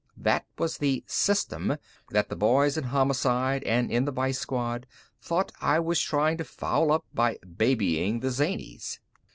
That was the "system" that the boys in Homicide and in the Vice Squad thought I was trying to foul up by "babying" the zanies.